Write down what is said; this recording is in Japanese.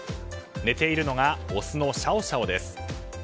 寝ているのがオスのシャオシャオです。